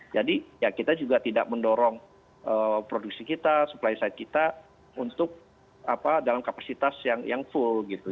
jadi kita juga tidak mendorong produksi kita supply side kita untuk dalam kapasitas yang full